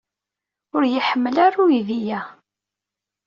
Ur iyi-iḥemmel ara uydi-a.